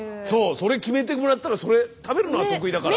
それ決めてもらったらそれ食べるのは得意だから。